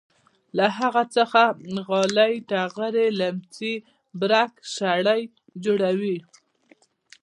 له هغو څخه غالۍ ټغرې لیمڅي برک شړۍ جوړوي.